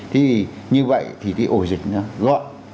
thì như vậy thì cái ổ dịch nó gọn